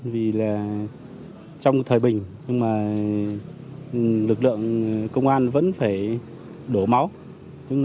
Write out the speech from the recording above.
vì là trong thời bình nhưng mà lực lượng công an vẫn phải đổ máu